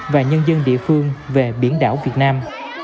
và nhân dân địa phương về biển đảo việt nam